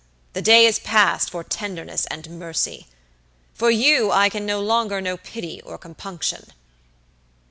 The day is past for tenderness and mercy. For you I can no longer know pity or compunction.